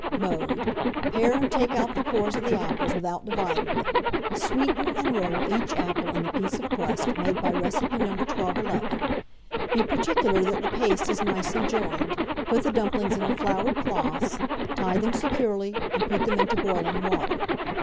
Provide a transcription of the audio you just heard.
Mode. Pare and take out the cores of the apples without dividing them; sweeten, and roll each apple in a piece of crust, made by recipe No. 1211; be particular that the paste is nicely joined; put the dumplings into floured cloths, tie them securely, and put them into boiling water.